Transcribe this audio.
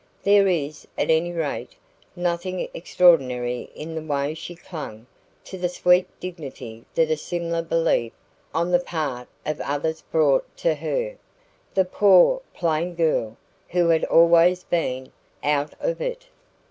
There is, at any rate, nothing extraordinary in the way she clung to the sweet dignity that a similar belief on the part of others brought to her the poor, plain girl, who had always been "out of it".